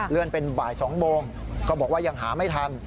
เลื่อนเป็นบ่าย๒โมงก็บอกว่ายังหาไม่ทัน